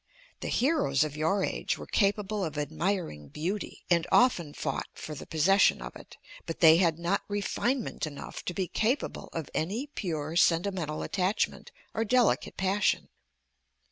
The heroes of your age were capable of admiring beauty, and often fought for the possession of it; but they had not refinement enough to be capable of any pure, sentimental attachment or delicate passion.